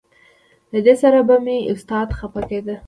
له دې سره به مې استاد خپه کېده.